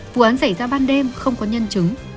vụ án xảy ra ban đêm không có nhân chứng